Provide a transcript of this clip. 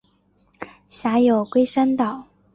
辖有龟山岛。